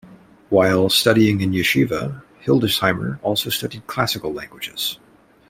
While studying in yeshiva Hildesheimer also studied classical languages.